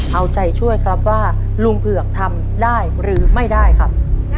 เอาใจช่วยครับว่าลุงเผือกทำได้หรือไม่ได้ครับ